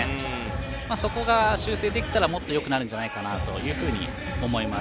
そこが修正できたらもっとよくなるんじゃないかなと思います。